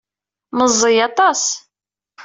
Meẓẓiy aṭas.